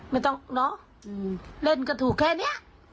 มึงต้องเล่นก็ถูกแค่เนี้ย